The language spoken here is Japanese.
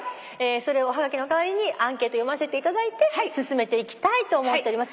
それをおはがきの代わりにアンケート読ませていただいて進めていきたいと思っております。